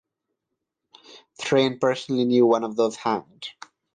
Thrane personally knew one of those hanged.